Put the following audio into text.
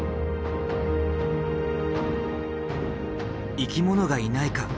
生き物がいないか？